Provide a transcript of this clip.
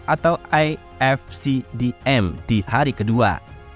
atau ifcdm di hari kedua